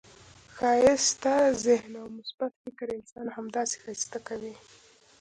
ښایسته ذهن او مثبت فکر انسان همداسي ښایسته کوي.